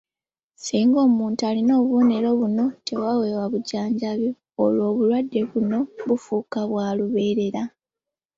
Singa omuntu alina obubonero buno taweebwa bujjanjabi, olwo obulwadde buno bufuuka bwa lubeerera